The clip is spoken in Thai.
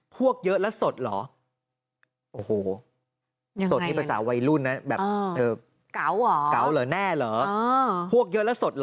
พวกเยอะแล้วสดเหรอเก๋า